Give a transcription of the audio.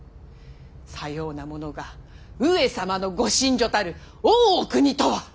さようなものが上様のご寝所たる大奥にとは！